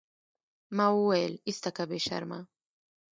ما وويل ايسته که بې شرمه.